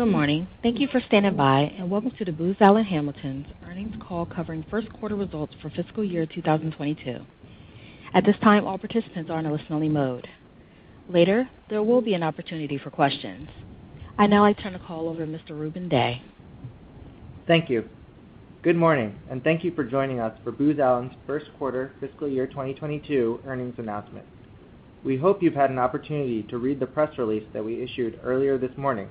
Good morning. Thank you for standing by, and welcome to the Booz Allen Hamilton's Earnings Call covering First Quarter Results for Fiscal Year 2022. At this time, all participants are in a listen-only mode. Later, there will be an opportunity for questions. I'd now like to turn the call over to Mr. Rubun Dey. Thank you. Good morning, and thank you for joining us for Booz Allen's First Quarter Fiscal Year 2022 Earnings Announcement. We hope you've had an opportunity to read the press release that we issued earlier this morning.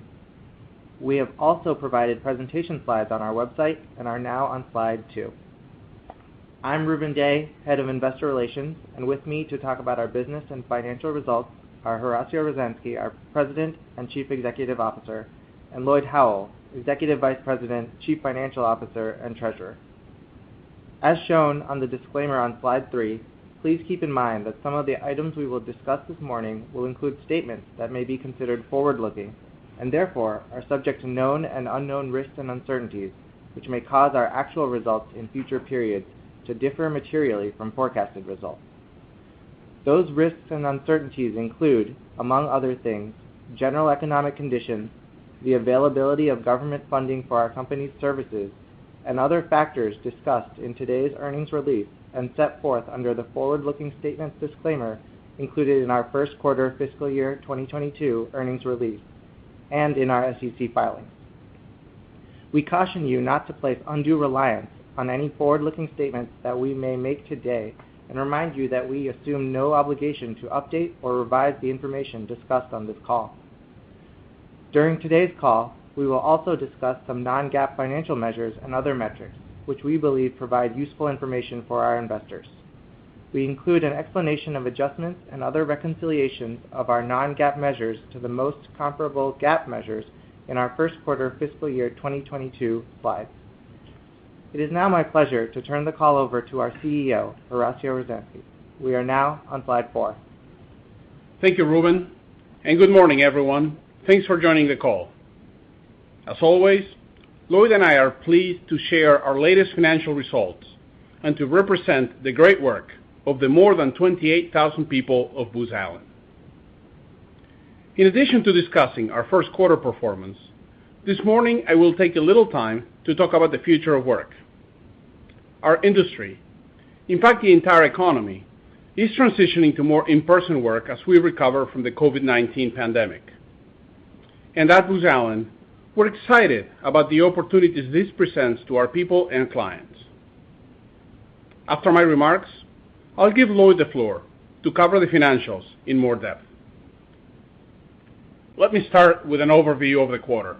We have also provided presentation slides on our website and are now on Slide 2. I'm Rubun Dey, Head of Investor Relations, and with me to talk about our business and financial results are Horacio Rozanski, our President and Chief Executive Officer, and Lloyd Howell, Executive Vice President, Chief Financial Officer, and Treasurer. As shown on the disclaimer on Slide 3, please keep in mind that some of the items we will discuss this morning will include statements that may be considered forward-looking, and therefore are subject to known and unknown risks and uncertainties, which may cause our actual results in future periods to differ materially from forecasted results. Those risks and uncertainties include, among other things, general economic conditions, the availability of government funding for our company's services, and other factors discussed in today's earnings release and set forth under the forward-looking statements disclaimer included in our First Quarter Fiscal Year 2022 Earnings Release, and in our SEC filings. We caution you not to place undue reliance on any forward-looking statements that we may make today and remind you that we assume no obligation to update or revise the information discussed on this call. During today's call, we will also discuss some non-GAAP financial measures and other metrics, which we believe provide useful information for our investors. We include an explanation of adjustments and other reconciliations of our non-GAAP measures to the most comparable GAAP measures in our First Quarter Fiscal Year 2022 slides. It is now my pleasure to turn the call over to our CEO, Horacio Rozanski. We are now on Slide 4. Thank you, Rubun, good morning, everyone. Thanks for joining the call. As always, Lloyd and I are pleased to share our latest financial results and to represent the great work of the more than 28,000 people of Booz Allen. In addition to discussing our first quarter performance, this morning I will take a little time to talk about the future of work. Our industry, in fact, the entire economy, is transitioning to more in-person work as we recover from the COVID-19 pandemic. At Booz Allen, we're excited about the opportunities this presents to our people and clients. After my remarks, I'll give Lloyd the floor to cover the financials in more depth. Let me start with an overview of the quarter.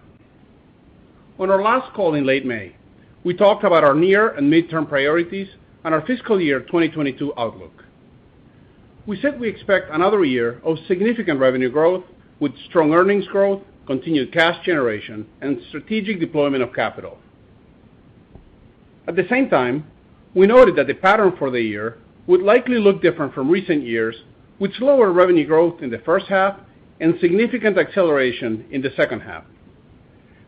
On our last call in late May, we talked about our near and midterm priorities and our fiscal year 2022 outlook. We said we expect another year of significant revenue growth with strong earnings growth, continued cash generation, and strategic deployment of capital. At the same time, we noted that the pattern for the year would likely look different from recent years, with slower revenue growth in the first half and significant acceleration in the second half.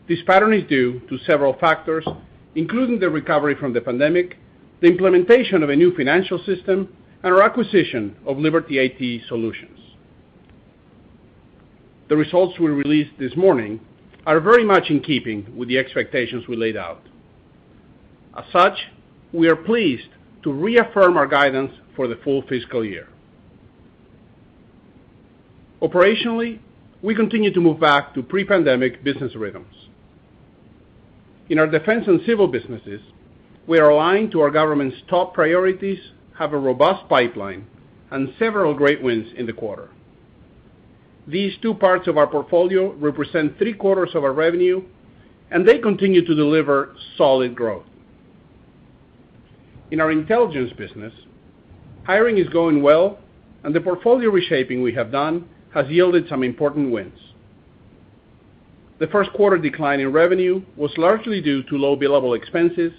This pattern is due to several factors, including the recovery from the pandemic, the implementation of a new financial system, and our acquisition of Liberty IT Solutions. The results we released this morning are very much in keeping with the expectations we laid out. As such, we are pleased to reaffirm our guidance for the full fiscal year. Operationally, we continue to move back to pre-pandemic business rhythms. In our Defense and Civil businesses, we are aligned to our government's top priorities, have a robust pipeline, and several great wins in the quarter. These two parts of our portfolio represent three quarters of our revenue, and they continue to deliver solid growth. In our Intelligence business, hiring is going well and the portfolio reshaping we have done has yielded some important wins. The first quarter decline in revenue was largely due to low billable expenses,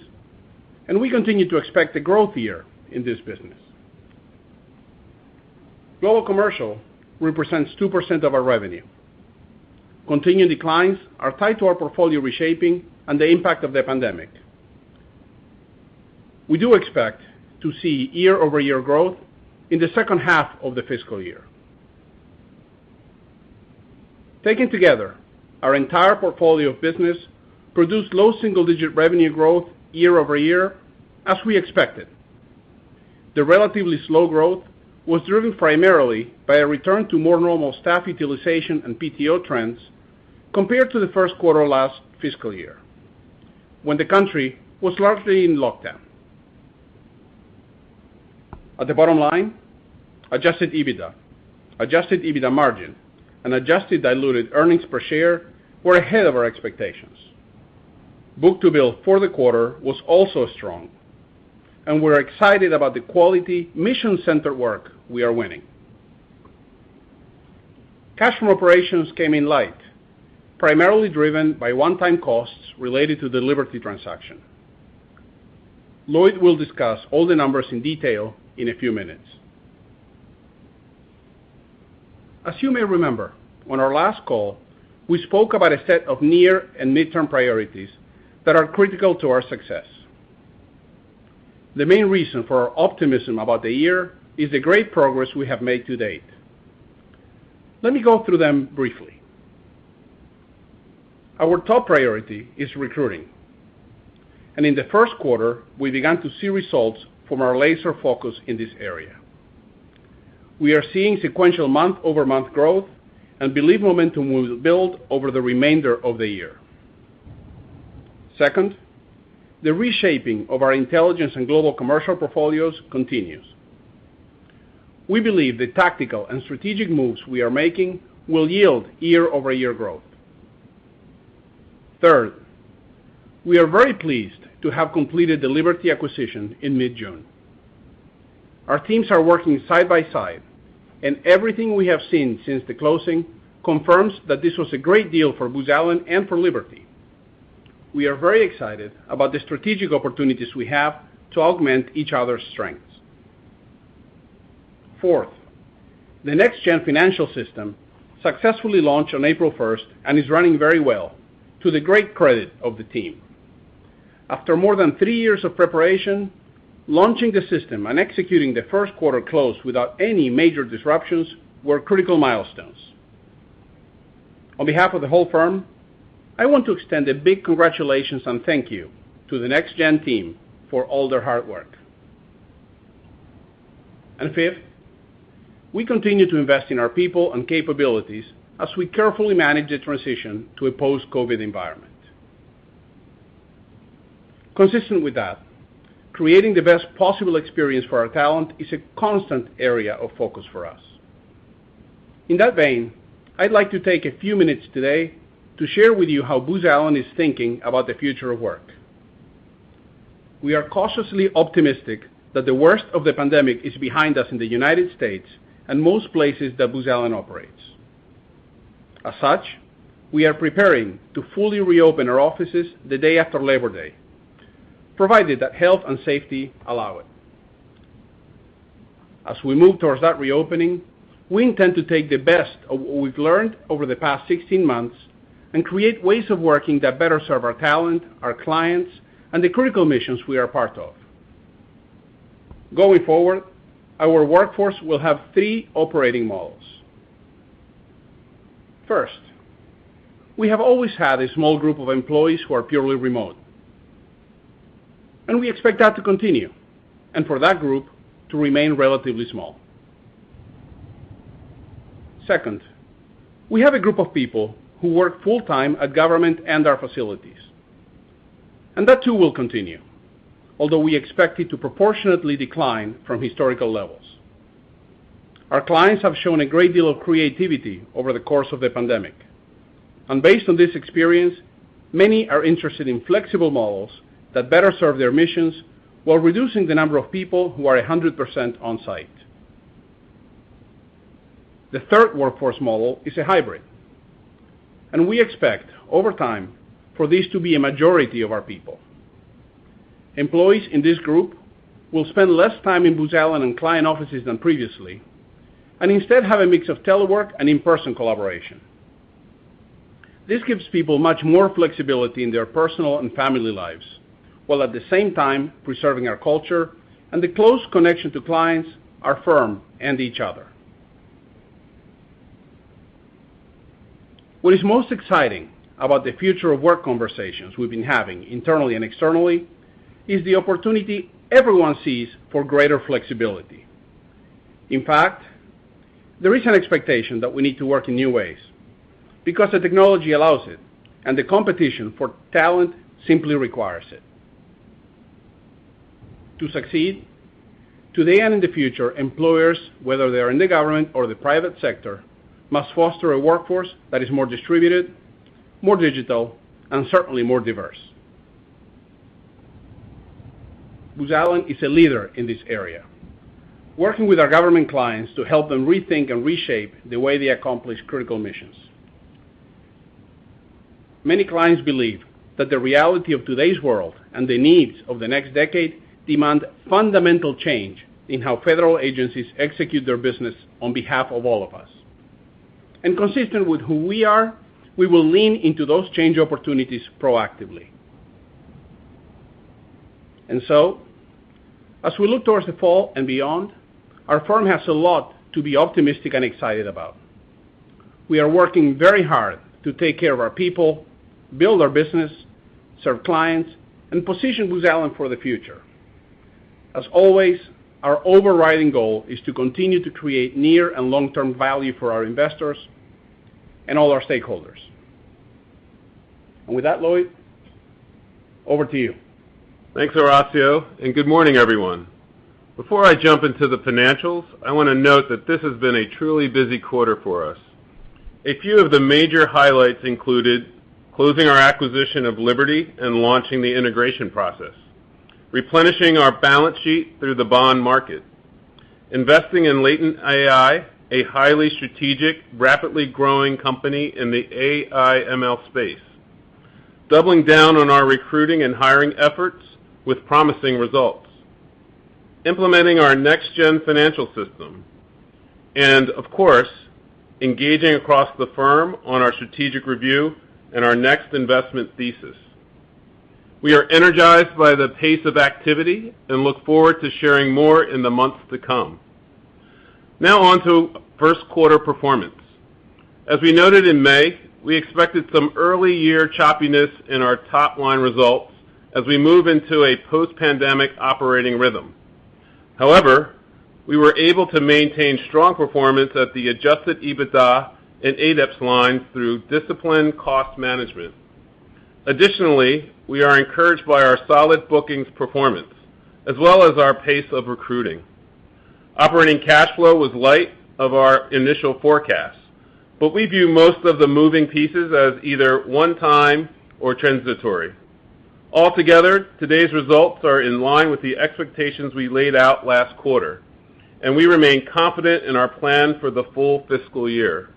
and we continue to expect a growth year in this business. Global Commercial represents 2% of our revenue. Continued declines are tied to our portfolio reshaping and the impact of the pandemic. We do expect to see year-over-year growth in the second half of the fiscal year. Taken together, our entire portfolio of business produced low single-digit revenue growth year-over-year, as we expected. The relatively slow growth was driven primarily by a return to more normal staff utilization and PTO trends compared to the first quarter last fiscal year, when the country was largely in lockdown. At the bottom line, adjusted EBITDA, adjusted EBITDA margin, and adjusted diluted earnings per share were ahead of our expectations. Book-to-bill for the quarter was also strong, and we're excited about the quality mission-centered work we are winning. Cash from operations came in light, primarily driven by one-time costs related to the Liberty transaction. Lloyd will discuss all the numbers in detail in a few minutes. As you may remember, on our last call, we spoke about a set of near and midterm priorities that are critical to our success. The main reason for our optimism about the year is the great progress we have made to date. Let me go through them briefly. Our top priority is recruiting, and in the first quarter, we began to see results from our laser focus in this area. We are seeing sequential month-over-month growth and believe momentum will build over the remainder of the year. Second, the reshaping of our Intelligence and Global Commercial portfolios continues. We believe the tactical and strategic moves we are making will yield year-over-year growth. Third, we are very pleased to have completed the Liberty acquisition in mid-June. Our teams are working side by side, and everything we have seen since the closing confirms that this was a great deal for Booz Allen and for Liberty. We are very excited about the strategic opportunities we have to augment each other's strengths. Fourth, the NextGen Financial Solution successfully launched on April 1st and is running very well, to the great credit of the team. After more than three years of preparation, launching the system and executing the first quarter close without any major disruptions were critical milestones. On behalf of the whole firm, I want to extend a big congratulations and thank you to the NextGen team for all their hard work. Fifth, we continue to invest in our people and capabilities as we carefully manage the transition to a post-COVID-19 environment. Consistent with that, creating the best possible experience for our talent is a constant area of focus for us. In that vein, I'd like to take a few minutes today to share with you how Booz Allen is thinking about the future of work. We are cautiously optimistic that the worst of the pandemic is behind us in the U.S. and most places that Booz Allen operates. As such, we are preparing to fully reopen our offices the day after Labor Day, provided that health and safety allow it. As we move towards that reopening, we intend to take the best of what we've learned over the past 16 months and create ways of working that better serve our talent, our clients, and the critical missions we are part of. Going forward, our workforce will have three operating models. First, we have always had a small group of employees who are purely remote, and we expect that to continue, and for that group to remain relatively small. Second, we have a group of people who work full-time at government and our facilities, and that too will continue, although we expect it to proportionately decline from historical levels. Our clients have shown a great deal of creativity over the course of the pandemic, and based on this experience, many are interested in flexible models that better serve their missions while reducing the number of people who are 100% on-site. The third workforce model is a hybrid, and we expect, over time, for this to be a majority of our people. Employees in this group will spend less time in Booz Allen and client offices than previously, and instead have a mix of telework and in-person collaboration. This gives people much more flexibility in their personal and family lives, while at the same time preserving our culture and the close connection to clients, our firm, and each other. What is most exciting about the future of work conversations we've been having internally and externally is the opportunity everyone sees for greater flexibility. In fact, there is an expectation that we need to work in new ways because the technology allows it and the competition for talent simply requires it. To succeed, today and in the future, employers, whether they are in the government or the private sector, must foster a workforce that is more distributed, more digital, and certainly more diverse. Booz Allen is a leader in this area, working with our government clients to help them rethink and reshape the way they accomplish critical missions. Many clients believe that the reality of today's world and the needs of the next decade demand fundamental change in how federal agencies execute their business on behalf of all of us. Consistent with who we are, we will lean into those change opportunities proactively. As we look towards the fall and beyond, our firm has a lot to be optimistic and excited about. We are working very hard to take care of our people, build our business, serve clients, and position Booz Allen for the future. As always, our overriding goal is to continue to create near and long-term value for our investors and all our stakeholders. With that, Lloyd, over to you. Thanks, Horacio, and good morning, everyone. Before I jump into the financials, I want to note that this has been a truly busy quarter for us. A few of the major highlights included closing our acquisition of Liberty and launching the integration process, replenishing our balance sheet through the bond market, investing in Latent AI, a highly strategic, rapidly growing company in the AI ML space, doubling down on our recruiting and hiring efforts with promising results, implementing our NextGen Financial Solution and of course, engaging across the firm on our strategic review and our next investment thesis. We are energized by the pace of activity and look forward to sharing more in the months to come. On to first quarter performance. As we noted in May, we expected some early year choppiness in our top-line results as we move into a post-pandemic operating rhythm. We were able to maintain strong performance at the adjusted EBITDA and ADEPS lines through disciplined cost management. Additionally, we are encouraged by our solid bookings performance, as well as our pace of recruiting. Operating cash flow was light of our initial forecast, but we view most of the moving pieces as either one-time or transitory. Altogether, today's results are in line with the expectations we laid out last quarter, and we remain confident in our plan for the full fiscal year.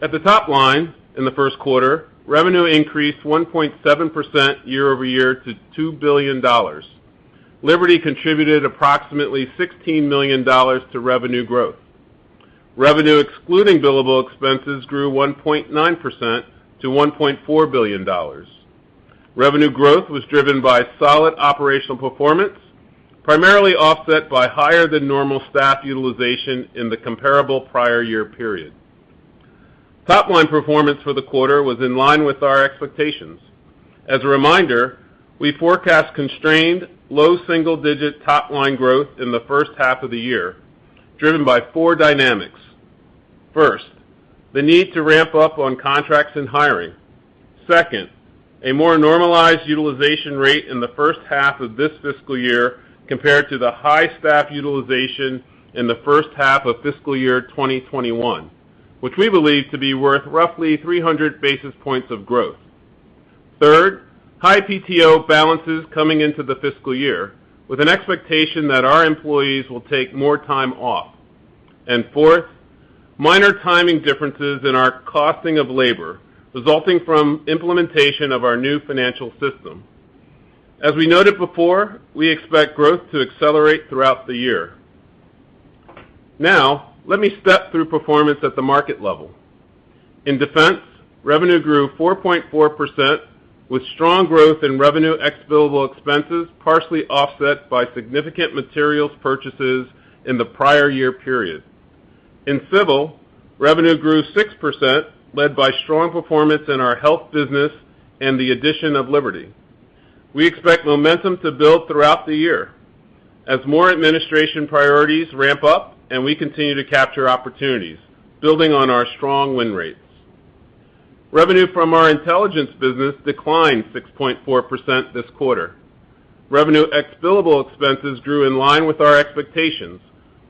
At the top line in the first quarter, revenue increased 1.7% year-over-year to $2 billion. Liberty contributed approximately $16 million to revenue growth. Revenue excluding billable expenses grew 1.9% to $1.4 billion. Revenue growth was driven by solid operational performance, primarily offset by higher than normal staff utilization in the comparable prior year period. Top-line performance for the quarter was in line with our expectations. As a reminder, we forecast constrained low single-digit top-line growth in the first half of the year, driven by four dynamics. First, the need to ramp up on contracts and hiring. Second, a more normalized utilization rate in the first half of this fiscal year compared to the high staff utilization in the first half of fiscal year 2021, which we believe to be worth roughly 300 basis points of growth. Third, high PTO balances coming into the fiscal year with an expectation that our employees will take more time off. Fourth, minor timing differences in our costing of labor resulting from implementation of our new financial system. As we noted before, we expect growth to accelerate throughout the year. Now, let me step through performance at the market level. In Defense, revenue grew 4.4% with strong growth in revenue ex-billable expenses, partially offset by significant materials purchases in the prior year period. In Civil, revenue grew 6%, led by strong performance in our health business and the addition of Liberty. We expect momentum to build throughout the year as more administration priorities ramp up and we continue to capture opportunities, building on our strong win rates. Revenue from our Intelligence business declined 6.4% this quarter. Revenue ex-billable expenses grew in line with our expectations,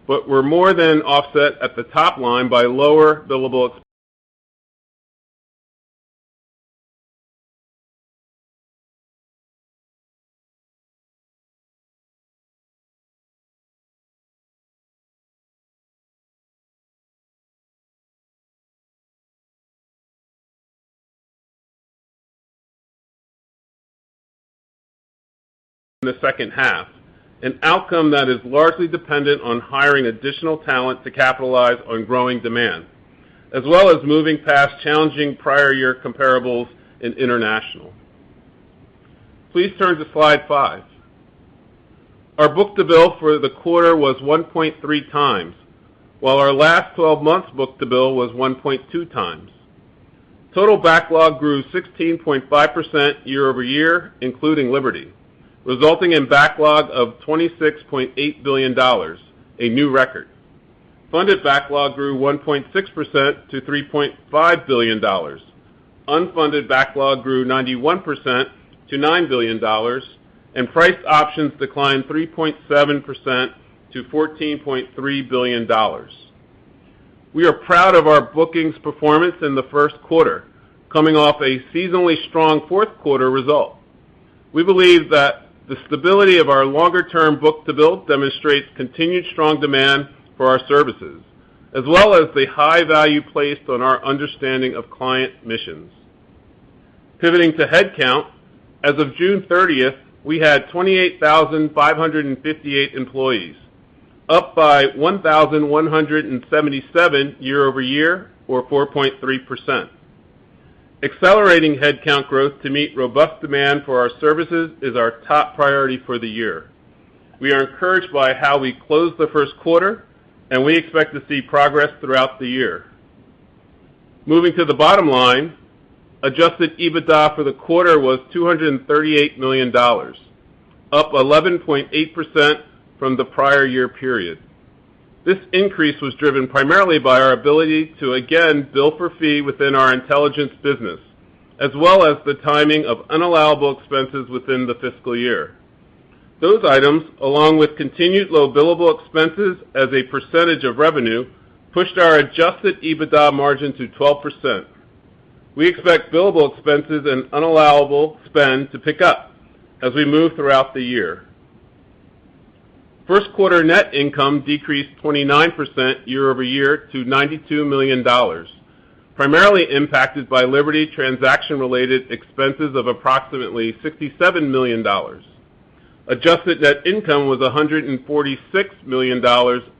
but were more than offset at the top line by lower billable ex-...in the second half, an outcome that is largely dependent on hiring additional talent to capitalize on growing demand, as well as moving past challenging prior year comparables in international. Please turn to Slide 5. Our book-to-bill for the quarter was 1.3x, while our last 12 months book-to-bill was 1.2x. Total backlog grew 16.5% year-over-year, including Liberty, resulting in backlog of $26.8 billion, a new record. Funded backlog grew 1.6% to $3.5 billion. Unfunded backlog grew 91% to $9 billion, and priced options declined 3.7% to $14.3 billion. We are proud of our bookings performance in the first quarter, coming off a seasonally strong fourth quarter result. We believe that the stability of our longer-term book-to-bill demonstrates continued strong demand for our services, as well as the high value placed on our understanding of client missions. Pivoting to headcount, as of June 30th, we had 28,558 employees, up by 1,177 year-over-year or 4.3%. Accelerating headcount growth to meet robust demand for our services is our top priority for the year. We are encouraged by how we closed the first quarter, and we expect to see progress throughout the year. Moving to the bottom line, adjusted EBITDA for the quarter was $238 million, up 11.8% from the prior year period. This increase was driven primarily by our ability to again bill for fee within our Intelligence business, as well as the timing of unallowable expenses within the fiscal year. Those items, along with continued low billable expenses as a percentage of revenue, pushed our adjusted EBITDA margin to 12%. We expect billable expenses and unallowable spend to pick up as we move throughout the year. First quarter net income decreased 29% year-over-year to $92 million. Primarily impacted by Liberty transaction-related expenses of approximately $67 million. Adjusted net income was $146 million,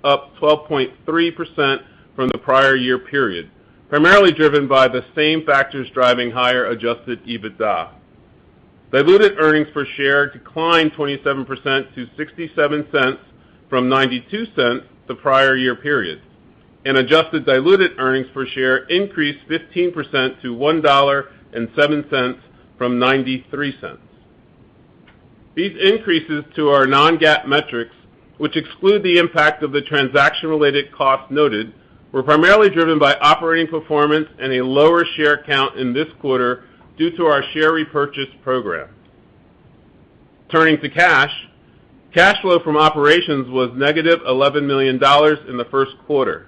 up 12.3% from the prior year period, primarily driven by the same factors driving higher adjusted EBITDA. Diluted earnings per share declined 27% to $0.67 from $0.92 the prior year period, and adjusted diluted earnings per share increased 15% to $1.07 from $0.93. These increases to our non-GAAP metrics, which exclude the impact of the transaction-related costs noted, were primarily driven by operating performance and a lower share count in this quarter due to our share repurchase program. Turning to cash flow from operations was -$11 million in the first quarter.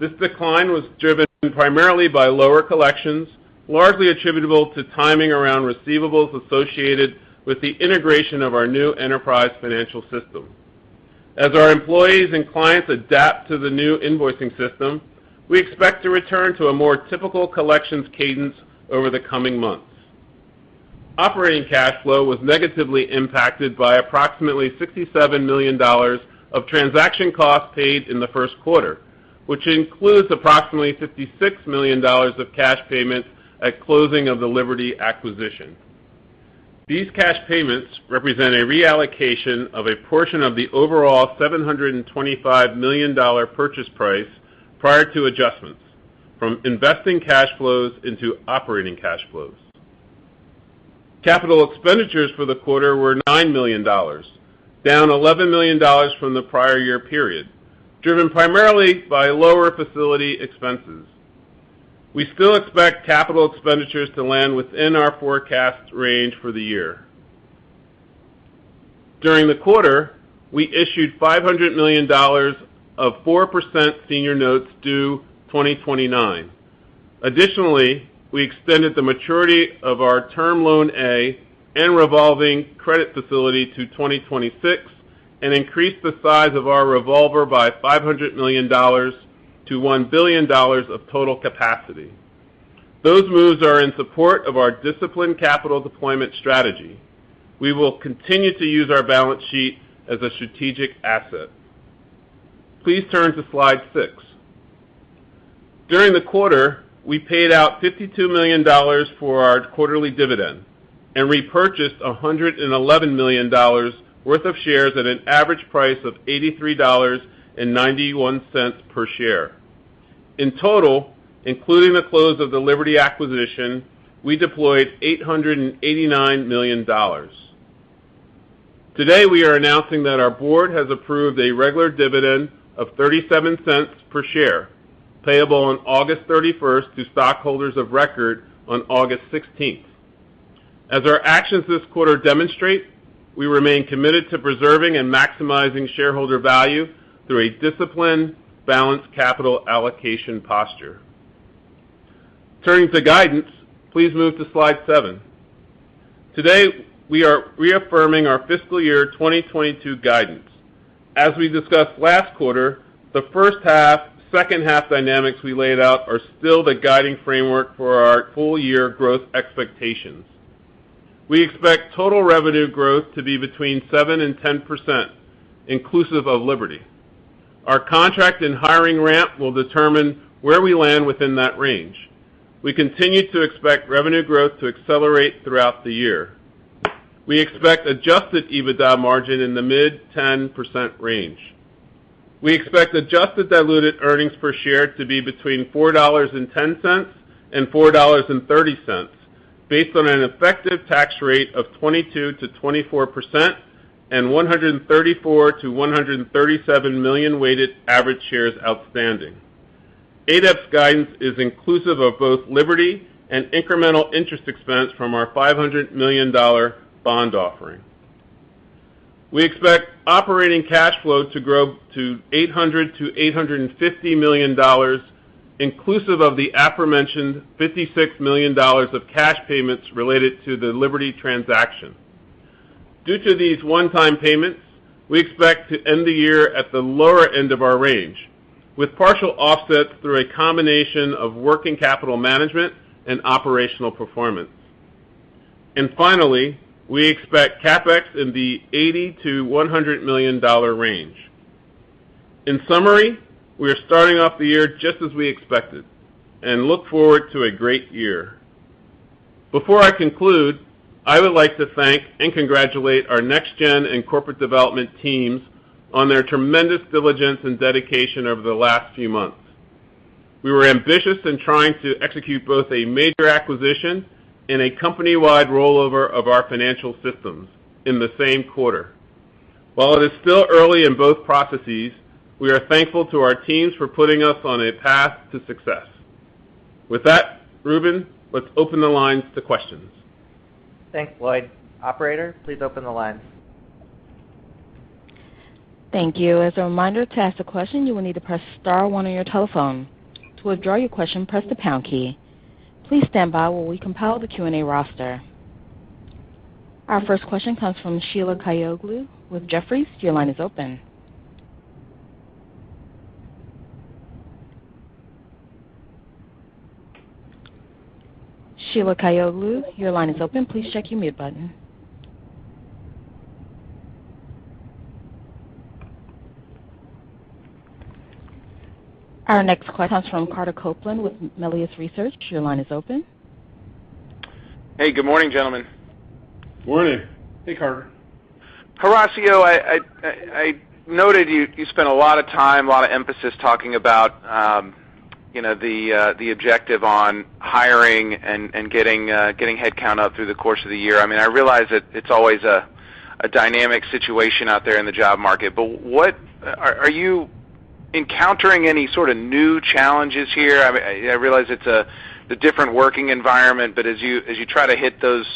This decline was driven primarily by lower collections, largely attributable to timing around receivables associated with the integration of our new NextGen Financial Solution. As our employees and clients adapt to the new invoicing system, we expect to return to a more typical collections cadence over the coming months. Operating cash flow was negatively impacted by approximately $67 million of transaction costs paid in the first quarter, which includes approximately $56 million of cash payment at closing of the Liberty acquisition. These cash payments represent a reallocation of a portion of the overall $725 million purchase price prior to adjustments, from investing cash flows into operating cash flows. CapEx for the quarter were $9 million, down $11 million from the prior year period, driven primarily by lower facility expenses. We still expect CapEx to land within our forecast range for the year. During the quarter, we issued $500 million of 4% senior notes due 2029. Additionally, we extended the maturity of our Term Loan A and revolving credit facility to 2026 and increased the size of our revolver by $500 million-$1 billion of total capacity. Those moves are in support of our disciplined capital deployment strategy. We will continue to use our balance sheet as a strategic asset. Please turn to Slide 6. During the quarter, we paid out $52 million for our quarterly dividend and repurchased $111 million worth of shares at an average price of $83.91 per share. In total, including the close of the Liberty acquisition, we deployed $889 million. Today, we are announcing that our board has approved a regular dividend of $0.37 per share, payable on August 31st to stockholders of record on August 16th. As our actions this quarter demonstrate, we remain committed to preserving and maximizing shareholder value through a disciplined, balanced capital allocation posture. Turning to guidance, please move to Slide 7. Today, we are reaffirming our fiscal year 2022 guidance. As we discussed last quarter, the first half, second half dynamics we laid out are still the guiding framework for our full year growth expectations. We expect total revenue growth to be between 7% and 10%, inclusive of Liberty. Our contract and hiring ramp will determine where we land within that range. We continue to expect revenue growth to accelerate throughout the year. We expect adjusted EBITDA margin in the mid-10% range. We expect adjusted diluted earnings per share to be between $4.10 and $4.30, based on an effective tax rate of 22%-24% and 134 million-137 million weighted average shares outstanding. ADEPS' guidance is inclusive of both Liberty and incremental interest expense from our $500 million bond offering. We expect operating cash flow to grow to $800 million-$850 million, inclusive of the aforementioned $56 million of cash payments related to the Liberty transaction. Due to these one-time payments, we expect to end the year at the lower end of our range, with partial offsets through a combination of working capital management and operational performance. Finally, we expect CapEx in the $80 million-$100 million range. In summary, we are starting off the year just as we expected, and look forward to a great year. Before I conclude, I would like to thank and congratulate our NextGen and corporate development teams on their tremendous diligence and dedication over the last few months. We were ambitious in trying to execute both a major acquisition and a company-wide rollover of our financial systems in the same quarter. While it is still early in both processes, we are thankful to our teams for putting us on a path to success. With that, Rubun, let's open the lines to questions. Thanks, Lloyd. Operator, please open the lines. Thank you. As a reminder, to ask a question, you will need to press star one on your telephone. To withdraw your question, press the pound key. Please standby while we compile the Q&A roster. Our first question comes from Sheila Kahyaoglu with Jefferies. Your line is open. Sheila Kahyaoglu, your line is open. Please check your mute button. Our next question comes from Carter Copeland with Melius Research. Your line is open. Hey, good morning, gentlemen. Morning. Hey, Carter. Horacio, I noted you spent a lot of time, a lot of emphasis talking about the objective on hiring and getting headcount up through the course of the year. I realize that it's always a dynamic situation out there in the job market, but are you encountering any sort of new challenges here? I realize it's a different working environment, but as you try to hit those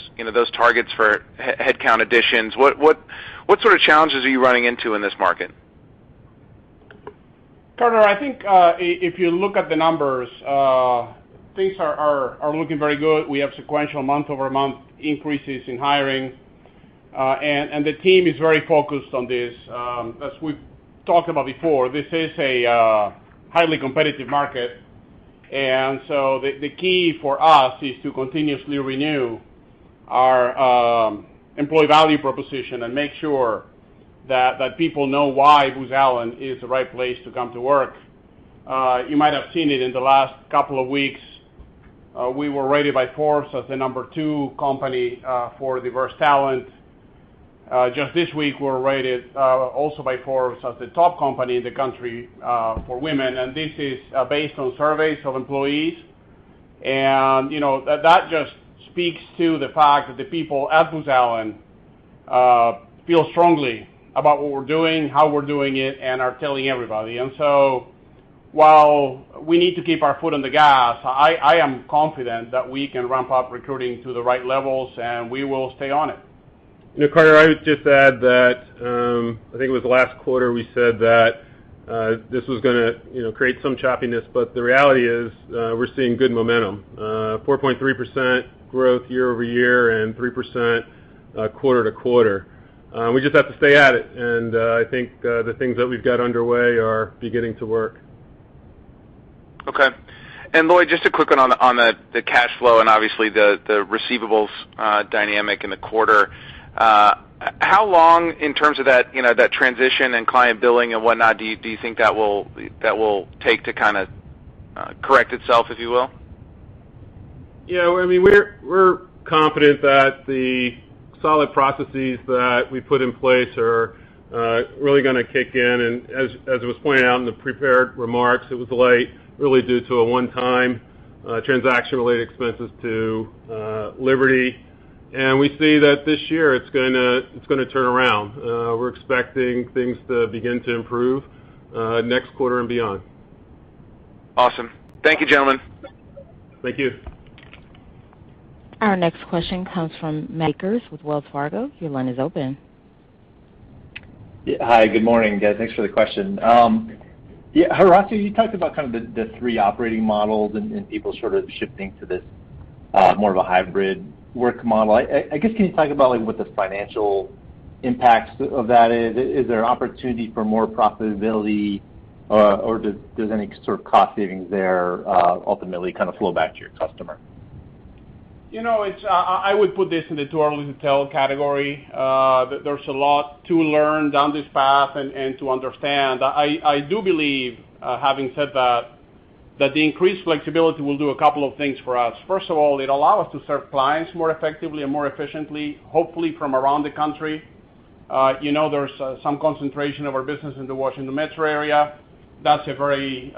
targets for headcount additions, what sort of challenges are you running into in this market? Carter, I think, if you look at the numbers, things are looking very good. We have sequential month-over-month increases in hiring. The team is very focused on this. As we've talked about before, this is a highly competitive market. The key for us is to continuously renew our employee value proposition and make sure that people know why Booz Allen is the right place to come to work. You might have seen it in the last couple of weeks, we were rated by Forbes as the number two company for diverse talent. Just this week, we were rated, also by Forbes, as the top company in the country for women. This is based on surveys of employees. That just speaks to the fact that the people at Booz Allen feel strongly about what we're doing, how we're doing it, and are telling everybody. While we need to keep our foot on the gas, I am confident that we can ramp up recruiting to the right levels, and we will stay on it. Carter, I would just add that, I think it was last quarter, we said that this was going to create some choppiness. The reality is, we're seeing good momentum. 4.3% growth year-over-year and 3% quarter-to-quarter. We just have to stay at it, and I think the things that we've got underway are beginning to work. Okay. Lloyd, just a quick one on the cash flow and obviously the receivables dynamic in the quarter. How long in terms of that transition and client billing and whatnot, do you think that will take to correct itself, if you will? We're confident that the solid processes that we put in place are really going to kick in. As it was pointed out in the prepared remarks, it was late really due to a one-time transaction related expenses to Liberty. We see that this year it's going to turn around. We're expecting things to begin to improve next quarter and beyond. Awesome. Thank you, gentlemen. Thank you. Our next question comes from Matt Akers with Wells Fargo. Your line is open. Hi, good morning, guys. Thanks for the question. Horacio, you talked about the three operating models and people sort of shifting to this more of a hybrid work model. I guess, can you talk about what the financial impacts of that is? Is there an opportunity for more profitability or does any sort of cost savings there ultimately flow back to your customer? I would put this in the too early to tell category. There's a lot to learn down this path and to understand. I do believe, having said that the increased flexibility will do a couple of things for us. First of all, it'll allow us to serve clients more effectively and more efficiently, hopefully from around the country. There's some concentration of our business in the Washington Metro area. That's a very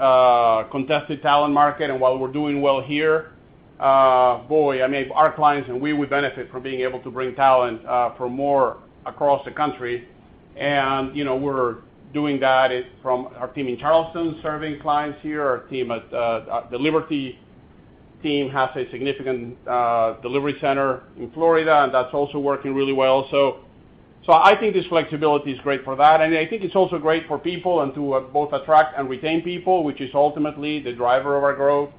contested talent market. While we're doing well here, boy, our clients and we would benefit from being able to bring talent from more across the country. We're doing that from our team in Charleston serving clients here. The Liberty team has a significant delivery center in Florida, and that's also working really well. I think this flexibility is great for that, and I think it's also great for people and to both attract and retain people, which is ultimately the driver of our growth,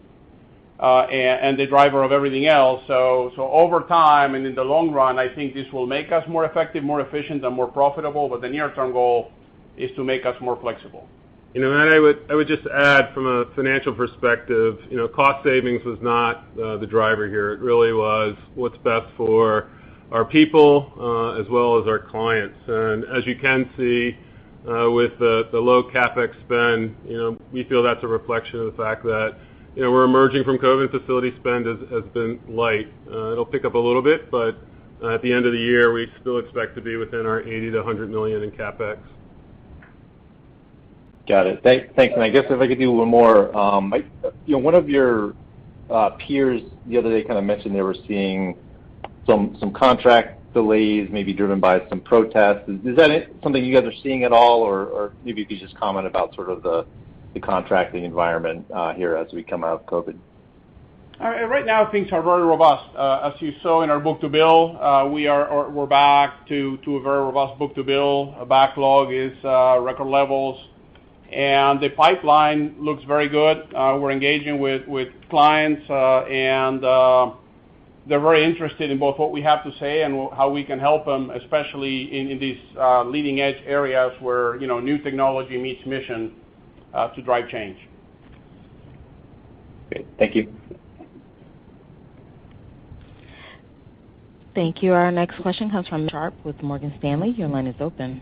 and the driver of everything else. Over time and in the long run, I think this will make us more effective, more efficient and more profitable. The near-term goal is to make us more flexible. I would just add from a financial perspective, cost savings was not the driver here. It really was what's best for our people, as well as our clients. As you can see, with the low CapEx spend, we feel that's a reflection of the fact that we're emerging from COVID, facility spend has been light. It'll pick up a little bit, but at the end of the year, we still expect to be within our $80 million-$100 million in CapEx. Got it. Thanks. I guess if I could do one more. One of your peers the other day mentioned they were seeing some contract delays, maybe driven by some protests. Is that something you guys are seeing at all, or maybe if you could just comment about sort of the contracting environment here as we come out of COVID-19. Right now, things are very robust. As you saw in our book-to-bill, we're back to a very robust book-to-bill. Our backlog is record levels. The pipeline looks very good. We're engaging with clients, and they're very interested in both what we have to say and how we can help them, especially in these leading-edge areas where new technology meets mission to drive change. Great. Thank you. Thank you. Our next question comes from Matt Sharpe with Morgan Stanley. Your line is open.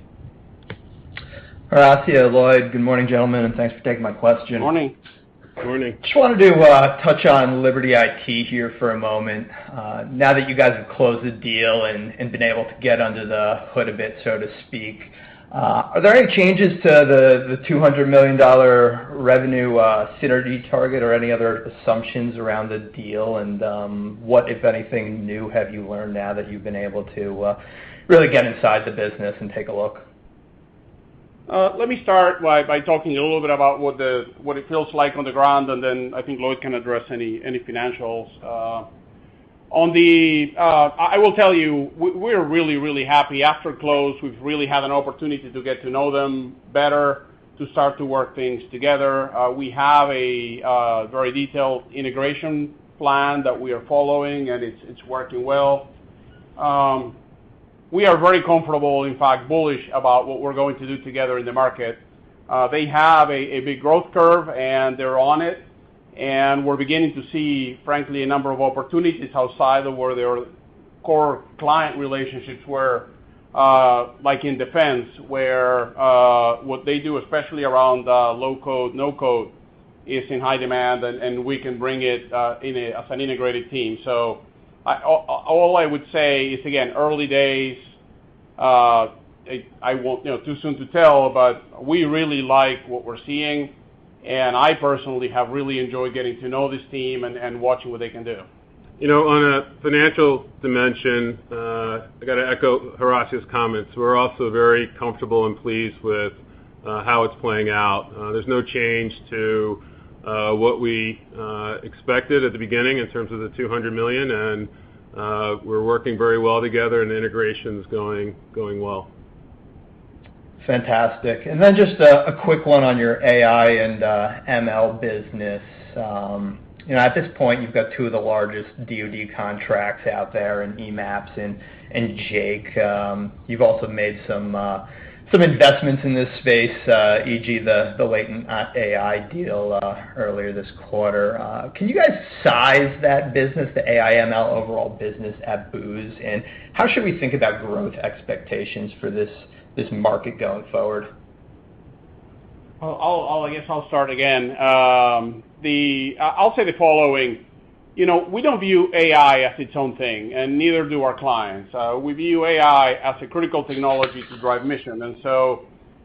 Horacio, Lloyd, good morning, gentlemen, and thanks for taking my question. Morning. Morning. Just wanted to touch on Liberty IT here for a moment. Now that you guys have closed the deal and been able to get under the hood a bit, so to speak, are there any changes to the $200 million revenue synergy target or any other assumptions around the deal? What, if anything, new have you learned now that you've been able to really get inside the business and take a look? Let me start by talking a little bit about what it feels like on the ground, and then I think Lloyd can address any financials. I will tell you, we're really happy. After close, we've really had an opportunity to get to know them better, to start to work things together. We have a very detailed integration plan that we are following, and it's working well. We are very comfortable, in fact, bullish about what we're going to do together in the market. They have a big growth curve, and they're on it. We're beginning to see, frankly, a number of opportunities outside of where their core client relationships were, like in Defense, where what they do, especially around low-code, no-code is in high demand, and we can bring it as an integrated team. All I would say is, again, early days. Too soon to tell, but we really like what we're seeing. I personally have really enjoyed getting to know this team and watching what they can do. On a financial dimension, I got to echo Horacio's comments. We're also very comfortable and pleased with how it's playing out. There's no change to what we expected at the beginning in terms of the $200 million, and we're working very well together, and the integration's going well. Fantastic. Just a quick one on your AI and ML business. At this point, you've got two of the largest DoD contracts out there in eMAPS and JAIC. You've also made some investments in this space, e.g., the Latent AI deal earlier this quarter. Can you guys size that business, the AI ML overall business at Booz Allen? How should we think about growth expectations for this market going forward? I guess I'll start again. I'll say the following. We don't view AI as its own thing, and neither do our clients. We view AI as a critical technology to drive mission.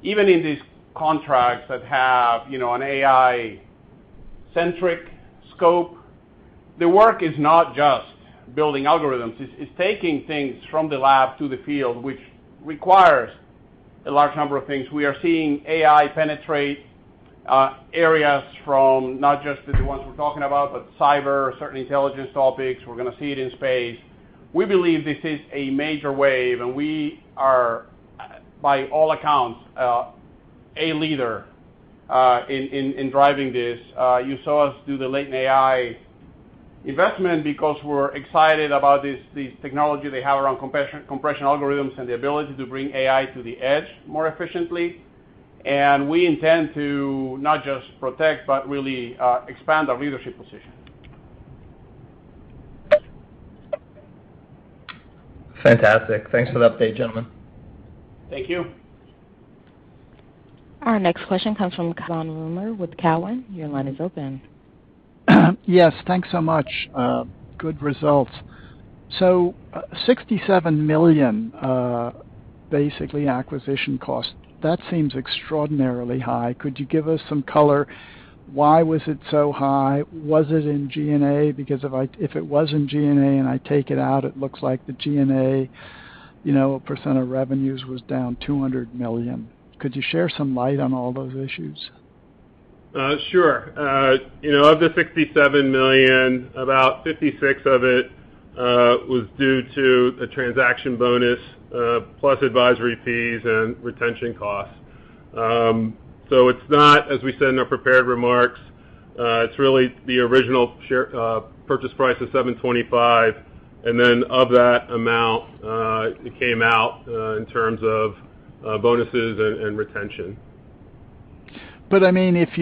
Even in these contracts that have an AI-centric scope, the work is not just building algorithms. It's taking things from the lab to the field, which requires a large number of things. We are seeing AI penetrate areas from not just the ones we're talking about, but cyber, certain Intelligence topics. We're going to see it in space. We believe this is a major wave, and we are, by all accounts, a leader in driving this. You saw us do the Latent AI investment because we're excited about this technology they have around compression algorithms and the ability to bring AI to the edge more efficiently. We intend to not just protect, but really expand our leadership position. Fantastic. Thanks for the update, gentlemen. Thank you. Our next question comes from Cai von Rumohr with TD Cowen. Your line is open. Yes, thanks so much. Good results. $67 million, basically acquisition cost, that seems extraordinarily high. Could you give us some color? Why was it so high? Was it in G&A? Because if it was in G&A and I take it out, it looks like the G&A percent of revenues was down $200 million. Could you share some light on all those issues? Sure. Of the $67 million, about $56 million of it was due to a transaction bonus, plus advisory fees and retention costs. It's not, as we said in our prepared remarks, it's really the original purchase price of $725 million, and then of that amount, it came out in terms of bonuses and retention. If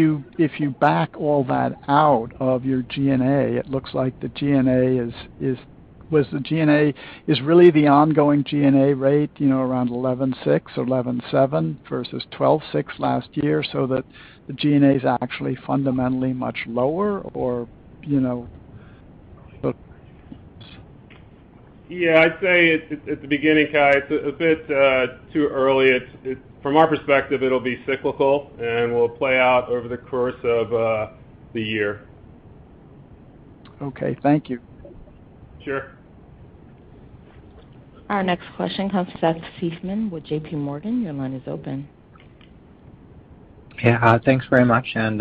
you back all that out of your G&A, it looks like the G&A was really the ongoing G&A rate around 11.6, 11.7 versus 12.6 last year, so that the G&A is actually fundamentally much lower? Yeah, I'd say at the beginning, Cai, it's a bit too early. From our perspective, it'll be cyclical, and will play out over the course of the year. Okay. Thank you. Sure. Our next question comes from Seth Seifman with JPMorgan. Your line is open. Yeah. Thanks very much, and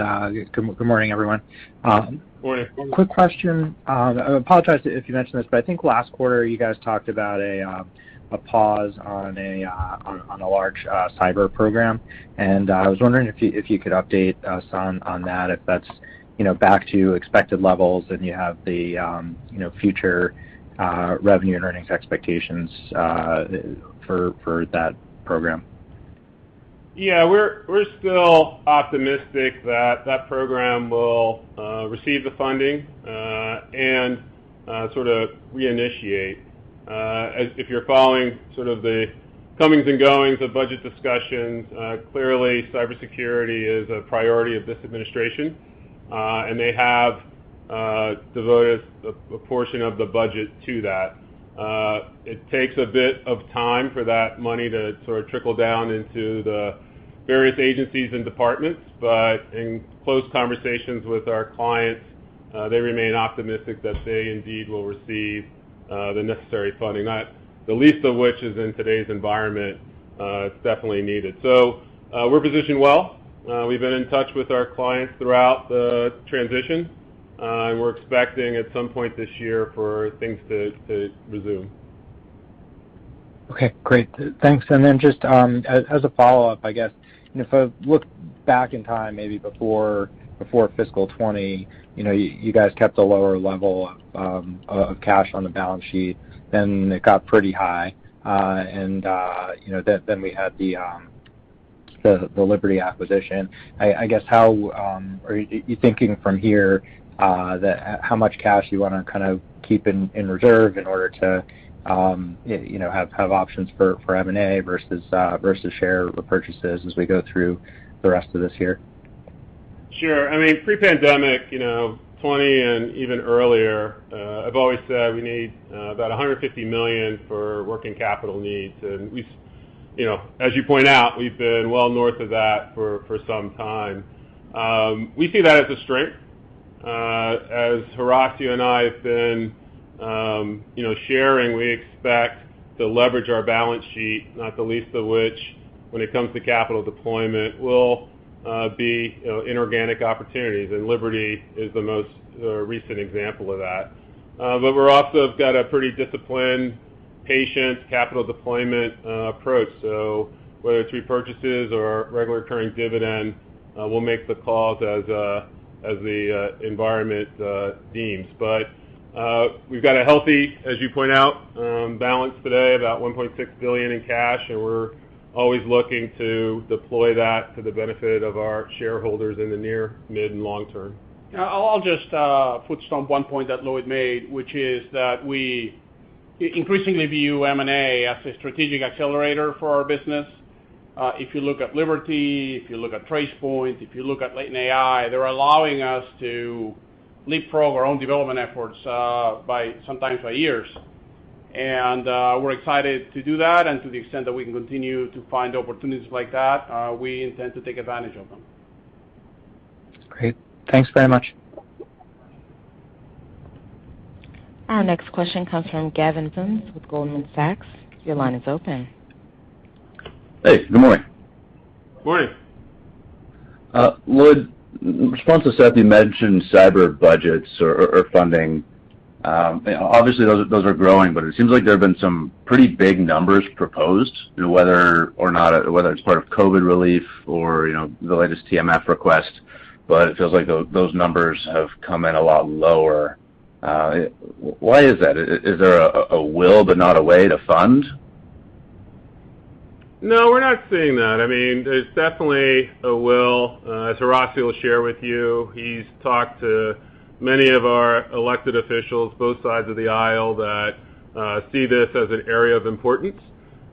good morning, everyone. Morning. Morning. Quick question. I apologize if you mentioned this, I think last quarter you guys talked about a pause on a large cyber program. I was wondering if you could update us on that, if that's back to expected levels, and you have the future revenue and earnings expectations for that program. Yeah. We're still optimistic that that program will receive the funding and sort of reinitiate. If you're following sort of the comings and goings of budget discussions, clearly cybersecurity is a priority of this administration. They have devoted a portion of the budget to that. It takes a bit of time for that money to sort of trickle down into the various agencies and departments. In close conversations with our clients, they remain optimistic that they indeed will receive the necessary funding, not the least of which is in today's environment, it's definitely needed. We're positioned well. We've been in touch with our clients throughout the transition. We're expecting at some point this year for things to resume. Okay, great. Thanks. Then just as a follow-up, I guess, if I look back in time, maybe before fiscal 2020, you guys kept a lower level of cash on the balance sheet, then it got pretty high. Then we had the Liberty acquisition. I guess, how are you thinking from here that how much cash you want to kind of keep in reserve in order to have options for M&A versus share repurchases as we go through the rest of this year? Sure. Pre-pandemic, 2020 and even earlier, I've always said we need about $150 million for working capital needs. As you point out, we've been well north of that for some time. We see that as a strength. As Horacio and I have been sharing, we expect to leverage our balance sheet, not the least of which, when it comes to capital deployment, will be inorganic opportunities. Liberty is the most recent example of that. We're also have got a pretty disciplined, patient capital deployment approach. Whether it's repurchases or regular recurring dividend, we'll make the calls as the environment deems. We've got a healthy, as you point out, balance today, about $1.6 billion in cash, and we're always looking to deploy that to the benefit of our shareholders in the near, mid, and long term. I'll just foot stomp one point that Lloyd made, which is that we increasingly view M&A as a strategic accelerator for our business. If you look at Liberty, if you look at Tracepoint, if you look at Latent AI, they're allowing us to leapfrog our own development efforts by sometimes by years. We're excited to do that. To the extent that we can continue to find opportunities like that, we intend to take advantage of them. Great. Thanks very much. Our next question comes from Gavin Parsons with Goldman Sachs. Your line is open. Hey, good morning. Morning. Lloyd, in response to Seth, you mentioned cyber budgets or funding. Obviously, those are growing, but it seems like there have been some pretty big numbers proposed, whether it's part of COVID relief or the latest TMF request. It feels like those numbers have come in a lot lower. Why is that? Is there a will but not a way to fund? No, we're not seeing that. There's definitely a will. As Horacio will share with you, he's talked to many of our elected officials, both sides of the aisle, that see this as an area of importance.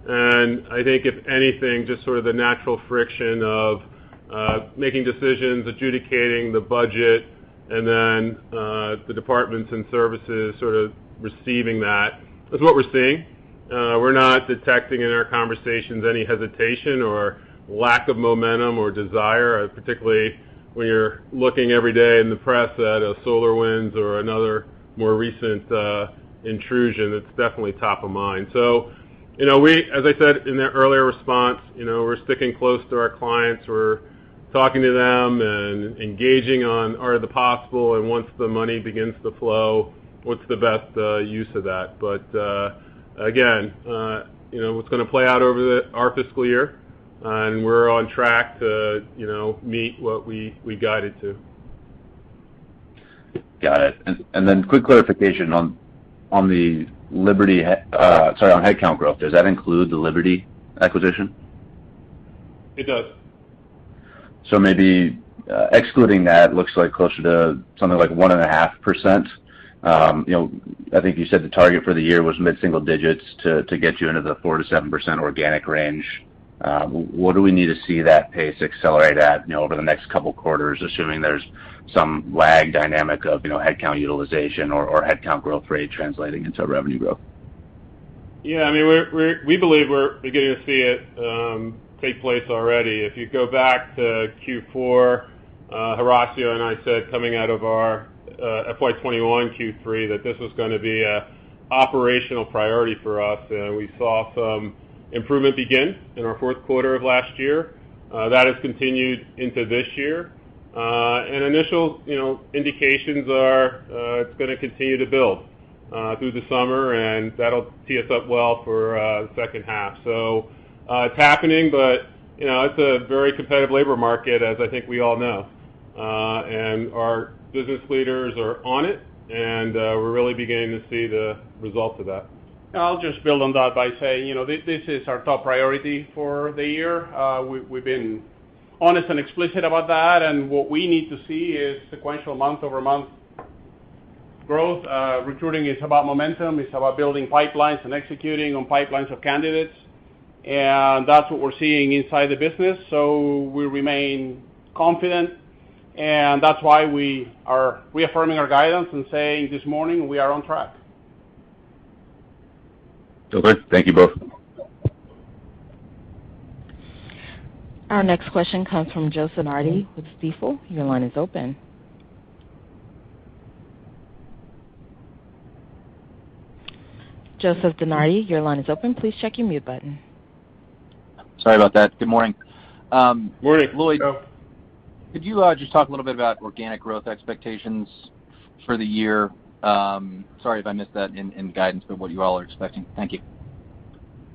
I think if anything, just sort of the natural friction of making decisions, adjudicating the budget, and then the departments and services sort of receiving that is what we're seeing. We're not detecting in our conversations any hesitation or lack of momentum or desire. Particularly when you're looking every day in the press at a SolarWinds or another more recent intrusion, it's definitely top of mind. As I said in the earlier response, we're sticking close to our clients. We're talking to them and engaging on art of the possible, and once the money begins to flow, what's the best use of that. Again, it's going to play out over our fiscal year, and we're on track to meet what we guided to. Got it. Quick clarification on the Liberty Sorry, on headcount growth. Does that include the Liberty acquisition? It does. Maybe excluding that looks like closer to something like 1.5%. I think you said the target for the year was mid-single digits to get you into the 4%-7% organic range. What do we need to see that pace accelerate at over the next couple quarters, assuming there's some lag dynamic of headcount utilization or headcount growth rate translating into revenue growth? We believe we're beginning to see it take place already. If you go back to Q4, Horacio and I said coming out of our FY 2021 Q3 that this was going to be an operational priority for us. We saw some improvement begin in our fourth quarter of last year. That has continued into this year. Initial indications are it's going to continue to build through the summer, and that'll tee us up well for the second half. It's happening, but it's a very competitive labor market, as I think we all know. Our business leaders are on it, and we're really beginning to see the results of that. I'll just build on that by saying, this is our top priority for the year. We've been honest and explicit about that, and what we need to see is sequential month-over-month growth. Recruiting is about momentum. It's about building pipelines and executing on pipelines of candidates. That's what we're seeing inside the business. We remain confident, and that's why we are reaffirming our guidance and saying, this morning, we are on track. Okay. Thank you both. Our next question comes from Joseph DeNardi with Stifel. Your line is open. Joseph DeNardi, your line is open. Please check your mute button. Sorry about that. Good morning. Morning, Joe. Lloyd, could you just talk a little bit about organic growth expectations for the year? Sorry if I missed that in guidance, but what you all are expecting. Thank you.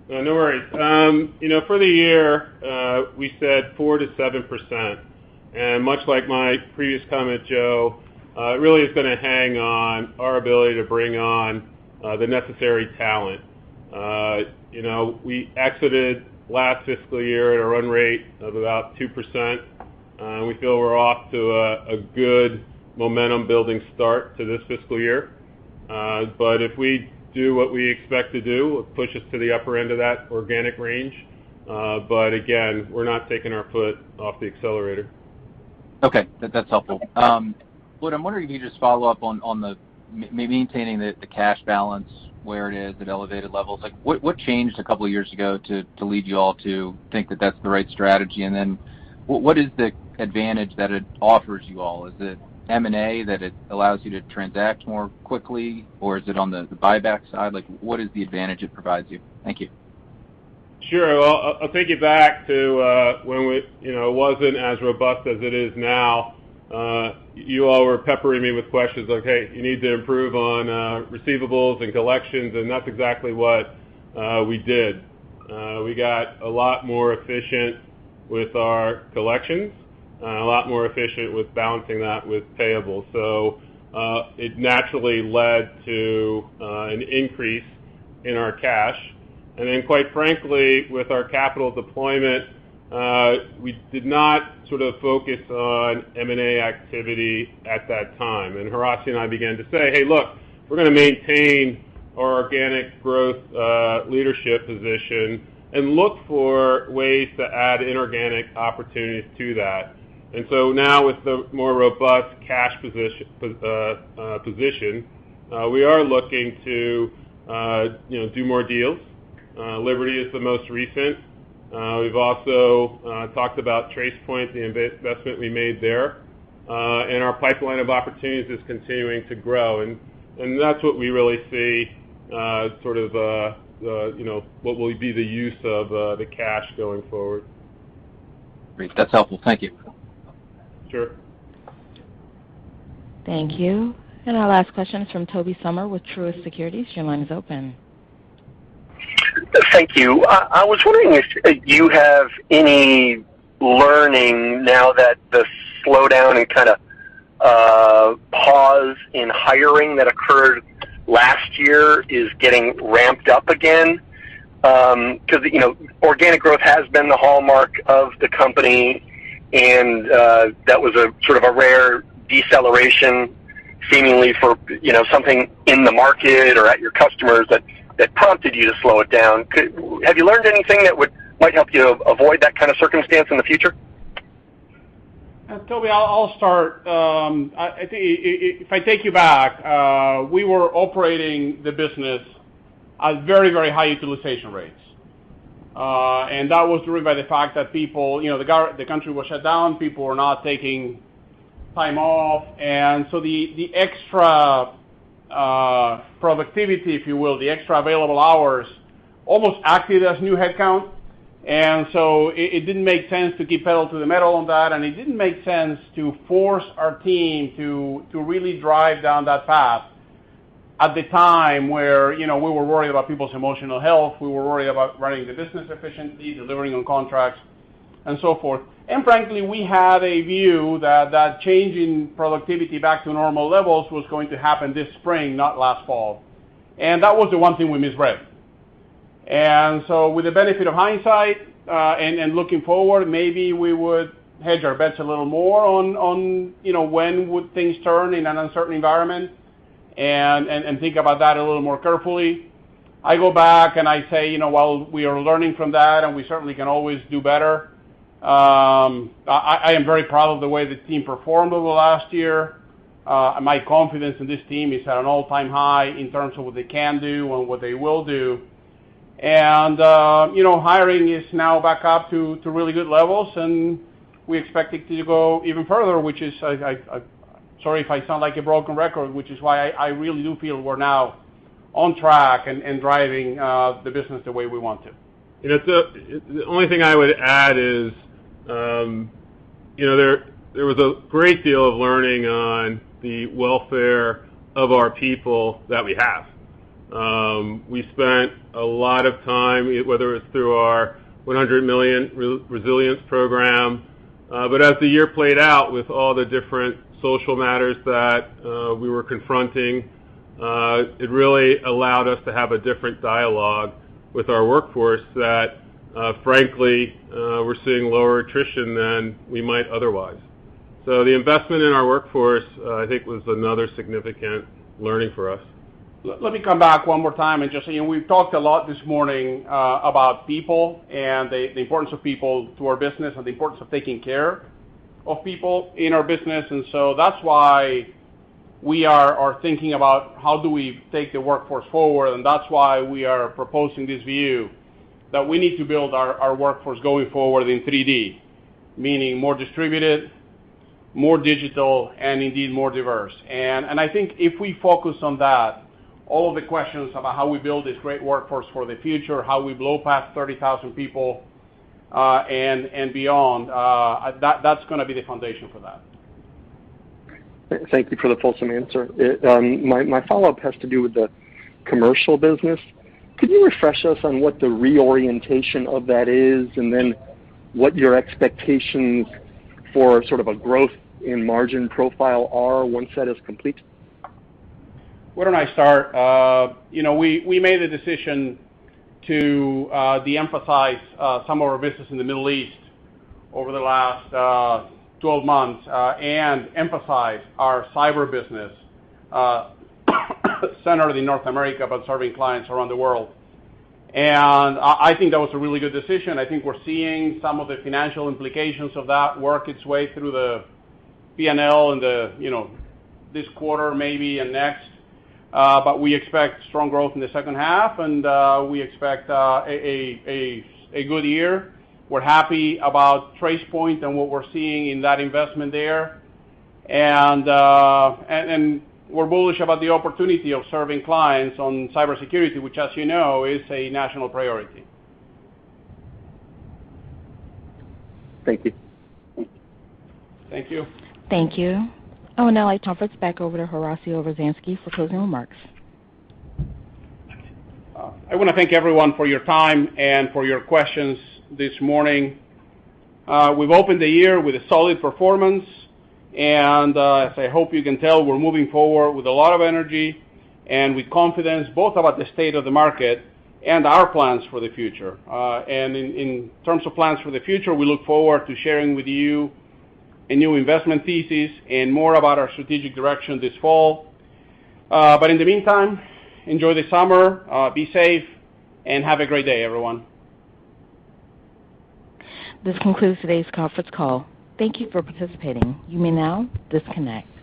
No, no worries. For the year, we said 4%-7%. Much like my previous comment, Joe, it really is going to hang on our ability to bring on the necessary talent. We exited last fiscal year at a run rate of about 2%, and we feel we're off to a good momentum-building start to this fiscal year. If we do what we expect to do, it will push us to the upper end of that organic range. Again, we're not taking our foot off the accelerator. Okay. That's helpful. Lloyd, I'm wondering if you could just follow up on the maintaining the cash balance where it is at elevated levels. What changed a couple of years ago to lead you all to think that that's the right strategy? What is the advantage that it offers you all? Is it M&A that it allows you to transact more quickly, or is it on the buyback side? What is the advantage it provides you? Thank you. Sure. I'll take you back to when it wasn't as robust as it is now. You all were peppering me with questions, "Okay, you need to improve on receivables and collections," and that's exactly what we did. We got a lot more efficient with our collections and a lot more efficient with balancing that with payables. It naturally led to an increase in our cash. Then, quite frankly, with our capital deployment, we did not sort of focus on M&A activity at that time. Horacio and I began to say, "Hey, look, we're going to maintain our organic growth leadership position and look for ways to add inorganic opportunities to that." Now with the more robust cash position, we are looking to do more deals. Liberty is the most recent. We've also talked about Tracepoint, the investment we made there. Our pipeline of opportunities is continuing to grow. That's what we really see sort of what will be the use of the cash going forward. Great. That's helpful. Thank you. Sure. Thank you. Our last question is from Tobey Sommer with Truist Securities. Your line is open. Thank you. I was wondering if you have any learning now that the slowdown and kind of pause in hiring that occurred last year is getting ramped up again, because organic growth has been the hallmark of the company, and that was a sort of a rare deceleration, seemingly for something in the market or at your customers that prompted you to slow it down. Have you learned anything that might help you avoid that kind of circumstance in the future? Tobey, I'll start. If I take you back, we were operating the business at very, very high utilization rates. That was driven by the fact that the country was shut down, people were not taking time off. The extra productivity, if you will, the extra available hours, almost acted as new headcount. It didn't make sense to keep pedal to the metal on that, and it didn't make sense to force our team to really drive down that path at the time where we were worried about people's emotional health. We were worried about running the business efficiently, delivering on contracts, and so forth. Frankly, we had a view that that change in productivity back to normal levels was going to happen this spring, not last fall. That was the one thing we misread. With the benefit of hindsight, and looking forward, maybe we would hedge our bets a little more on when would things turn in an uncertain environment and think about that a little more carefully. I go back, and I say, while we are learning from that, and we certainly can always do better, I am very proud of the way the team performed over the last year. My confidence in this team is at an all-time high in terms of what they can do and what they will do. Hiring is now back up to really good levels, and we expect it to go even further. Sorry if I sound like a broken record, which is why I really do feel we're now on track and driving the business the way we want to. The only thing I would add is there was a great deal of learning on the welfare of our people that we have. We spent a lot of time, whether it's through our $100 million resilience program. As the year played out with all the different social matters that we were confronting, it really allowed us to have a different dialogue with our workforce that, frankly, we're seeing lower attrition than we might otherwise. The investment in our workforce, I think, was another significant learning for us. Let me come back one more time and just, we've talked a lot this morning about people and the importance of people to our business and the importance of taking care of people in our business. So that's why we are thinking about how do we take the workforce forward, and that's why we are proposing this view that we need to build our workforce going forward in 3D, meaning more distributed, more digital, and indeed, more diverse. I think if we focus on that, all the questions about how we build this great workforce for the future, how we blow past 30,000 people, and beyond, that's going to be the foundation for that. Thank you for the fulsome answer. My follow-up has to do with the commercial business. Could you refresh us on what the reorientation of that is, and then what your expectations for sort of a growth in margin profile are once that is complete? Why don't I start? We made a decision to de-emphasize some of our business in the Middle East over the last 12 months and emphasize our cyber business, centered in North America, but serving clients around the world. I think that was a really good decision. I think we're seeing some of the financial implications of that work its way through the P&L in this quarter maybe and next. We expect strong growth in the second half, and we expect a good year. We're happy about Tracepoint and what we're seeing in that investment there. We're bullish about the opportunity of serving clients on cybersecurity, which, as you know, is a national priority. Thank you. Thank you. Thank you. I would now like to offer it back over to Horacio Rozanski for closing remarks. I want to thank everyone for your time and for your questions this morning. We've opened the year with a solid performance, and as I hope you can tell, we're moving forward with a lot of energy and with confidence both about the state of the market and our plans for the future. In terms of plans for the future, we look forward to sharing with you a new investment thesis and more about our strategic direction this fall. In the meantime, enjoy the summer, be safe, and have a great day, everyone. This concludes today's conference call. Thank you for participating. You may now disconnect.